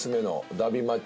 ダービーマッチ！